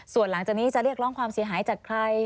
ส่วนหลังจากนี้จะเรียกร้องความเสียหายจากใคร